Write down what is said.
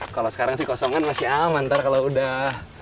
kalau sekarang sih kosongan masih aman ntar kalau udah